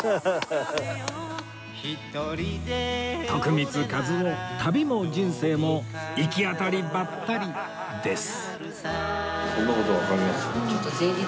徳光和夫旅も人生も行き当たりばったりです